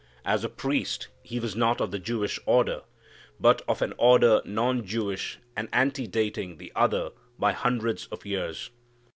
As a priest He was not of the Jewish order, but of an order non Jewish and antedating the other by hundreds of years.